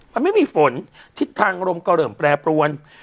มันไม่มีฝนที่ทางรมกระเหล่มแปรปรวน